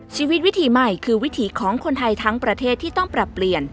วิถีใหม่คือวิถีของคนไทยทั้งประเทศที่ต้องปรับเปลี่ยน